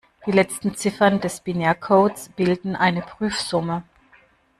Die letzten Ziffern des Binärcodes bilden eine Prüfsumme.